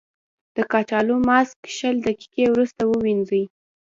د کچالو ماسک شل دقیقې وروسته ووينځئ.